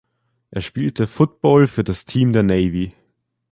Er spielte Football für das Team der Navy.